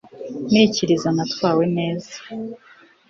nikiriza natwawe neza